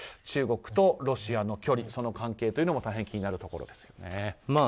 中国とロシアの距離その関係というのも大変、気になるところです。